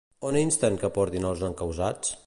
On insten que portin els encausats?